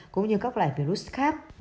cũng như các loại virus khác